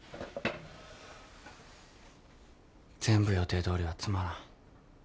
全部予定どおりはつまらん。